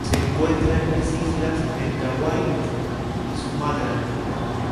Se encuentra en la Islas Mentawai y Sumatra.